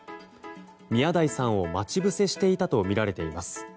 宮台さんを待ち伏せしていたとみられています。